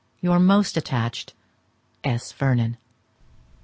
Your most attached S. VERNON.